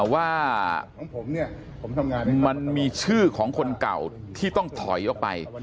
ว่ามันมีชื่อของคนเก่าที่ต้องถอยออกไป